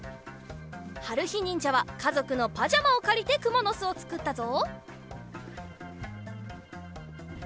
はるひにんじゃはかぞくのパジャマをかりてくものすをつくったぞ。